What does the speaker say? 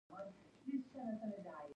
فلم باید د ماشومانو لپاره روزنیز وي